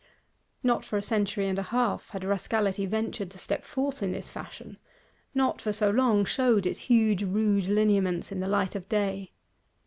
Not for a century and half had Rascality ventured to step forth in this fashion; not for so long, showed its huge rude lineaments in the light of day.